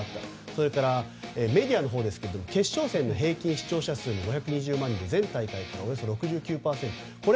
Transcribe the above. それから、メディアのほう決勝戦の平均視聴者数が５２０万人で前大会からおよそ６９％アップ。